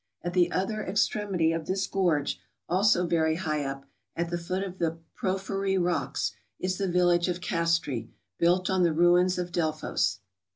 At the other extremity of this gorge, also very high up, at the foot of the porphyry rocks, is the village of Castri, built on the ruins of Delphos.